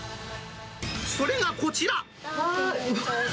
それがこちら。